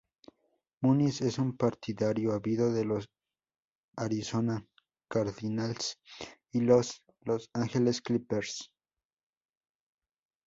Muniz es un partidario ávido de los Arizona Cardinals y los Los Angeles Clippers.